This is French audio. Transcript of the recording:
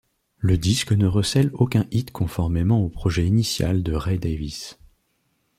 Le disque ne recèle aucun hit conformément au projet initial de Ray Davies.